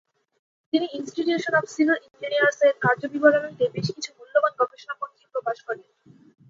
তিনি institution of civil ইঞ্জিনিয়ার্স-এর কার্যবিবরণীতে বেশ কিছু মূল্যবান গবেষণাপত্র প্রকাশ করেন।